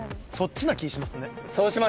そっちな気しますね。